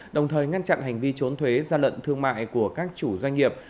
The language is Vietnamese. đồng thời ngăn chặn hành vi trốn thuế gia lận thương mại của các chủ doanh nghiệp